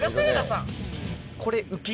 これ。